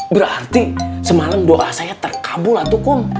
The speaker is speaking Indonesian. berarti semalam doa saya terkabul atukum